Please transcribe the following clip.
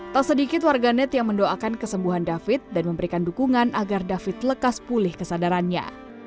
tak sedikit warganet yang mendoakan kesembuhan david dan memberikan dukungan agar david lekas pulih kesadarannya